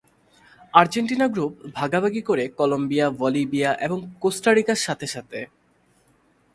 Argentina group ভাগাভাগি করে Colombia, Bolivia এবং কোস্টা রিকার সাথে সাথে।